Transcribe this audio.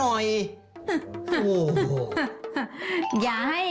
โทรมาน